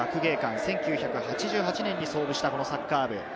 １９８８年に創部したサッカー部。